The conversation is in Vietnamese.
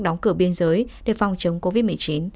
đóng cửa biên giới để phòng chống covid một mươi chín